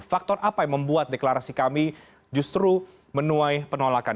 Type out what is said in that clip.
faktor apa yang membuat deklarasi kami justru menuai penolakan